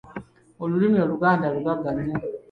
Olulimi Oluganda lugagga nnyo.